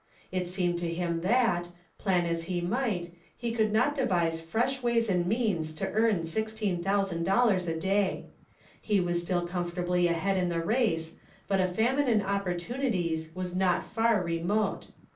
It seemed to him that, plan as he might, he could not devise fresh ways and means to earn $16,000 a day. He was still comfortably ahead in the race, but a famine in opportunities was not far remote.